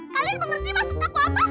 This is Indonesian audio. kalian mengerti maksud aku apa